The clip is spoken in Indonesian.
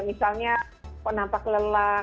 misalnya kok nampak lelah